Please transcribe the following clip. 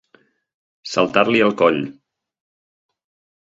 Saltar-li al coll.